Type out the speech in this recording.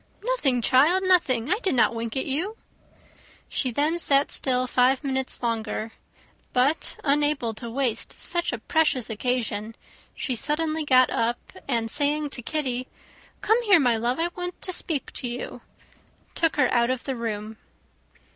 "Nothing, child, nothing. I did not wink at you." She then sat still five minutes longer; but unable to waste such a precious occasion, she suddenly got up, and saying to Kitty, "Come here, my love, I want to speak to you," took her out of the room.